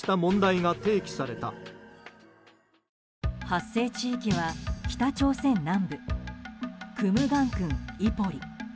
発生地域は北朝鮮南部クムガン郡イポリ。